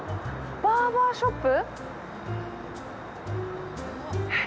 バーバーショップ？